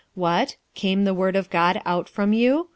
46:014:036 What? came the word of God out from you?